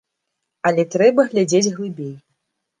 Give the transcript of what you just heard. Але трэба глядзець глыбей.